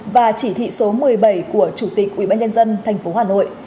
và chỉ thị số một mươi bảy của chủ tịch ubnd tp hà nội